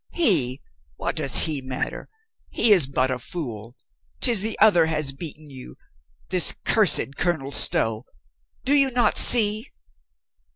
"He! What does he matter? He is but a fool. 'Tis the other has beaten you — this cursed Colonel Stow. Do you not see?"